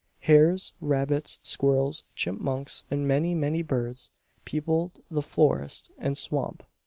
Hares, rabbits, squirrels, chipmunks, and many, many birds, peopled the forest and swamp.